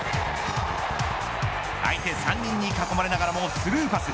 相手３人に囲まれながらもスルーパス。